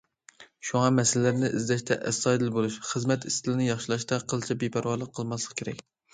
شۇڭا، مەسىلىلەرنى ئىزدەشتە ئەستايىدىل بولۇش، خىزمەت ئىستىلىنى ياخشىلاشتا قىلچە بىپەرۋالىق قىلماسلىق كېرەك.